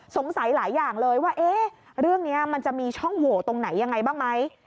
สงสัยหลายอย่างเลยว่าเรื่องนี้มันจะมีช่องโหวตรงไหนยังไงบ้างไหม